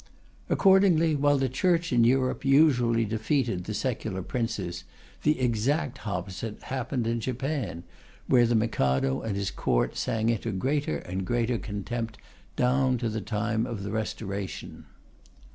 Accordingly, while the Church in Europe usually defeated the secular princes, the exact opposite happened in Japan, where the Mikado and his Court sank into greater and greater contempt down to the time of the Restoration.